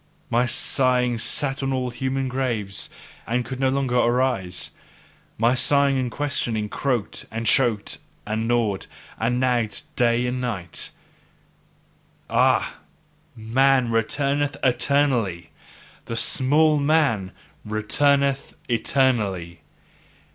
My sighing sat on all human graves, and could no longer arise: my sighing and questioning croaked and choked, and gnawed and nagged day and night: "Ah, man returneth eternally! The small man returneth eternally!"